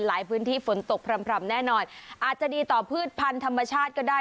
พื้นที่ฝนตกพร่ำแน่นอนอาจจะดีต่อพืชพันธุ์ธรรมชาติก็ได้